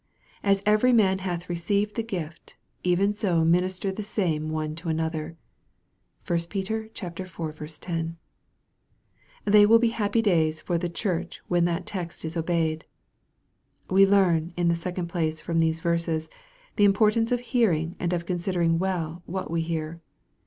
" As every man hath received the gift, even so minister the same one to another." (1 Peter iv. 10.) They will be happy days for the Church when that text is obeyed. We learn, in the second place, from these verses, ths importance of hearing, and of considering well what we hear.